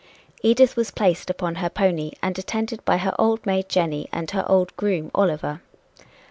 Edith was placed upon her pony and attended by her old maid Jenny and her old groom Oliver.